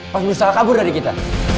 pas misal kabur dari kita